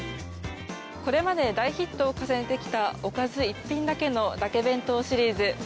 これまで大ヒットを重ねてきたおかず１品だけのだけ弁当シリーズ。